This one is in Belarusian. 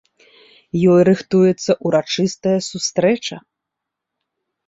Ёй рыхтуецца ўрачыстая сустрэча.